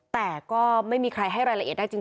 แต่ก็ไม่มีใครให้รายละเอียดได้จริง